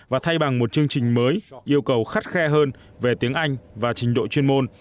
và thay bằng một chương trình mới yêu cầu khắt khe hơn về tiếng anh và trình độ chuyên môn